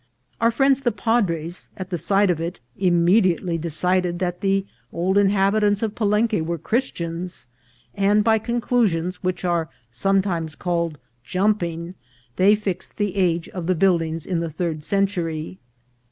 Our friends the padres, at the sight of it, immediately decided that the old inhabitants of Pa lenque were Christians, and by conclusions which are sometimes called jumping, they fixed the age of the buildings in the third century.